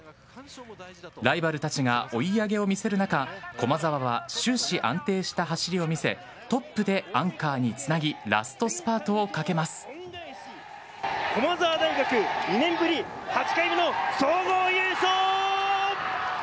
ライバルたちが追い上げを見せる中駒澤は終始安定した走りを見せトップでアンカーにつなぎ駒澤大学２年ぶり８回目の総合優勝！